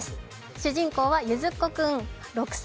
主人公はゆづっこ君６歳。